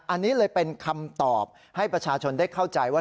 อันนี้เลยเป็นคำตอบให้ประชาชนได้เข้าใจว่า